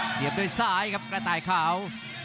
เสียบด้วยซ้ายครับกระต่ายขาว